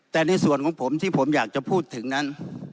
แต่ในส่วนของผมที่ผมอยากจะพูดถึงนั้น